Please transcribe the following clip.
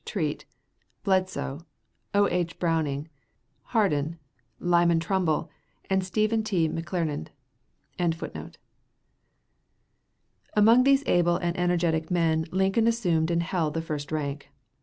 Treat, Bledsoe, O. H. Browning, Hardin, Lyman Trumbull, and Stephen T. McClernand.] Among these able and energetic men Lincoln assumed and held the first rank.